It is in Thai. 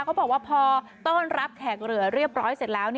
เขาบอกว่าพอต้อนรับแขกเหลือเรียบร้อยเสร็จแล้ว